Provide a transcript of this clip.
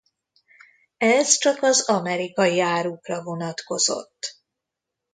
Ez csak az amerikai árukra vonatkozott.